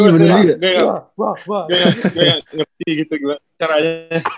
gue gak ngerti gitu gue caranya